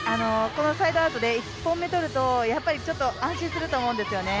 このサイドアウトで１本目を取るとやっぱりちょっと安心すると思うんですよね。